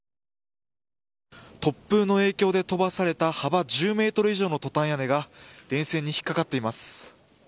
突風の影響で飛ばされた幅１０メートル以上のトタン屋根が電線に引っかかっています。